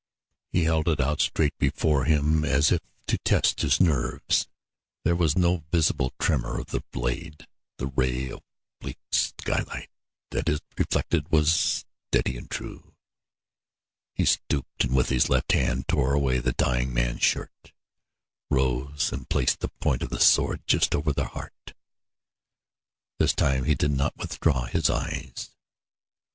He held it out straight before him, as if to test his nerves. There was no visible tremor of the blade; the ray of bleak skylight that it reflected was steady and true. He stooped and with his left hand tore away the dying man's shirt, rose and placed the point of the sword just over the heart. This time he did not withdraw his eyes.